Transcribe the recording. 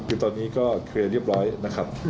คือตอนนี้ก็เคลียร์เรียบร้อยนะครับ